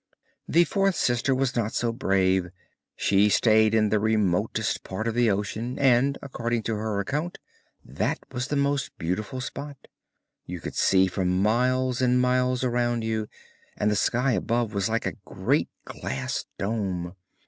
The fourth sister was not so brave; she stayed in the remotest part of the ocean, and, according to her account, that was the most beautiful spot. You could see for miles and miles around you, and the sky above was like a great glass dome.